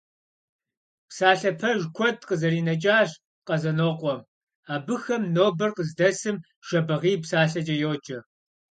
Псалъэ пэж куэд къызэринэкӀащ Къэзанокъуэм, абыхэм нобэр къыздэсым Жэбагъы и псалъэкӀэ йоджэ.